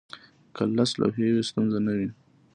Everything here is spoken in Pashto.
که لس لوحې وي، ستونزه نه وي.